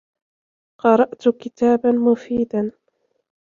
قَرَأْتُ كِتَابًا مُفِيدًا.